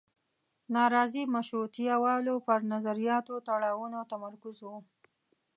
نارضي مشروطیه والو پر نظریاتي تړاوونو تمرکز و.